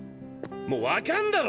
もう分かんだろ！